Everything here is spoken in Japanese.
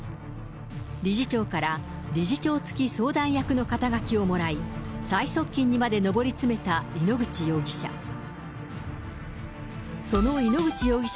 理事長から理事長付相談役の肩書をもらい、最側近にまで上り詰めた井ノ口容疑者。